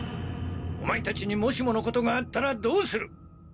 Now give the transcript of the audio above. オマエたちにもしものことがあったらどうする！